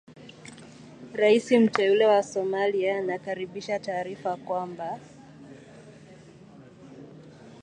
Raisi mteule wa Somalia anakaribisha taarifa kwamba